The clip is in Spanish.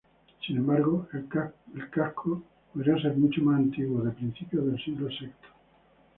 Sin embargo, el casco podría ser mucho más antiguo, de principios del siglo sexto.